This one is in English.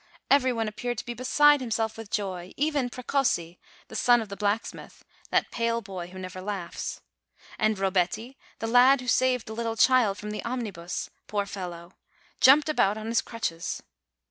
Every one appeared to be beside himself with joy even Precossi, the son of the blacksmith, that pale boy who never laughs,. And Robetti, the lad who saved the little child from the omnibus, poor fel low! jumped about on his crutches.